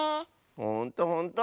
ほんとほんと！